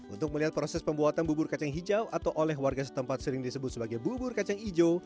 untuk melihat proses pembuatan bubur kacang hijau atau oleh warga setempat sering disebut sebagai bubur kacang hijau